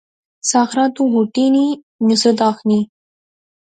ساحرہ ، تو ہوٹی اینی، نصرت آخنی